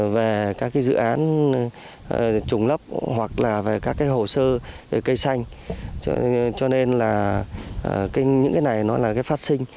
về các cái dự án trùng lắp hoặc là về các cái hồ sơ cây xanh cho nên là những cái này nó là cái phát sinh